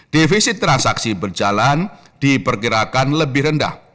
defisit transaksi berjalan diperkirakan lebih rendah